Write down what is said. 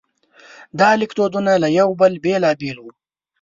دا لیکدودونه له یو بل بېلابېل وو.